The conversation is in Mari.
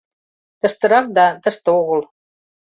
Тыштырак да тыште огыл...